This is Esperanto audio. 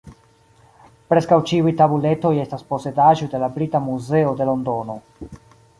Preskaŭ ĉiuj tabuletoj estas posedaĵoj de la Brita Muzeo de Londono.